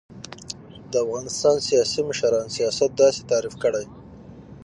و : د افغانستان سیاسی مشران سیاست داسی تعریف کړی